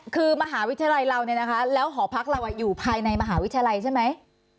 คือมหาวิทยาลัยเราเนี่ยนะคะแล้วหอพักเราอยู่ภายในมหาวิทยาลัยใช่ไหม